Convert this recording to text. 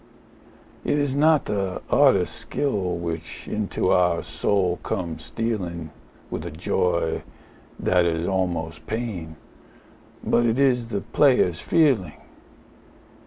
It is not the artist's skill which into our soul comes stealing With a joy that is almost pain, but it is the player's feeling.